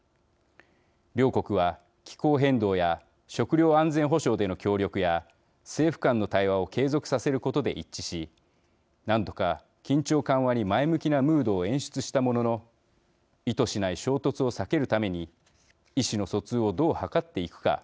両国は気候変動や食料安全保障での協力や政府間の対話を継続させることで一致しなんとか緊張緩和に前向きなムードを演出したものの意図しない衝突を避けるために意思の疎通をどう図っていくか